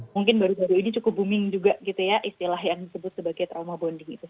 mungkin baru baru ini cukup booming juga gitu ya istilah yang disebut sebagai trauma bonding itu